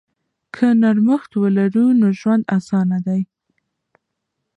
که نرمښت ولرو نو ژوند اسانه دی.